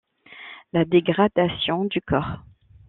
La dégradation du corps.